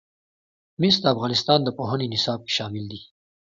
مس د افغانستان د پوهنې نصاب کې شامل دي.